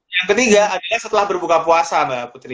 yang ketiga adalah setelah berbuka puasa mbak putri